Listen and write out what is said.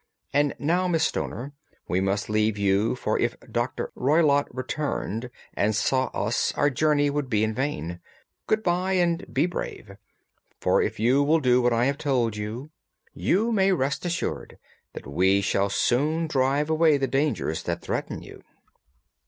And now, Miss Stoner, we must leave you for if Dr. Roylott returned and saw us our journey would be in vain. Good bye, and be brave, for if you will do what I have told you, you may rest assured that we shall soon drive away the dangers that threaten you."